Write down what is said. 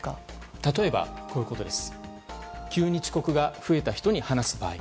例えば、急に遅刻が増えた人に話す場合。